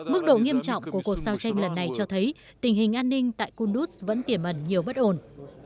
mức độ nghiêm trọng của cuộc giao tranh lần này cho thấy tình hình an ninh tại kunduz vẫn tiềm ẩn nhiều bất ổn